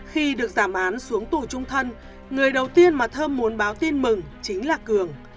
khi được giảm án xuống tù trung thân người đầu tiên mà thơm muốn báo tin mừng chính là cường